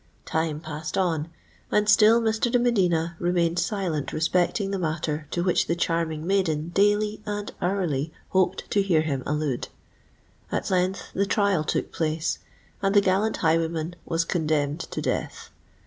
Time passed on—and still Mr. de Medina remained silent respecting the matter to which the charming maiden daily and hourly hoped to hear him allude. At length the trial took place—and the gallant highwayman was condemned to death.